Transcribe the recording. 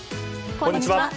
こんにちは。